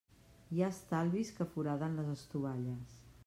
Hi ha estalvis que foraden les estovalles.